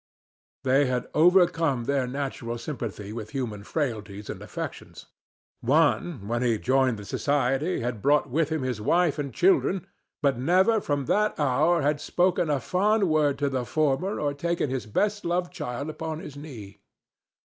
They had overcome their natural sympathy with human frailties and affections. One, when he joined the society, had brought with him his wife and children, but never from that hour had spoken a fond word to the former or taken his best loved child upon his knee.